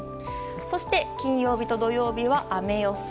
そして、金曜日と土曜日は雨予想。